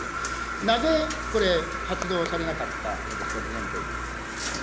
なぜこれ、発動されなかったのですか、事前協議。